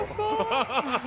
ハハハハハ。